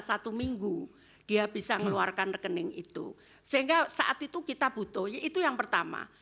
satu minggu dia bisa mengeluarkan rekening itu sehingga saat itu kita butuh itu yang pertama